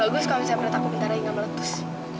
bagus kalau misalnya perut aku bentar lagi gak meletus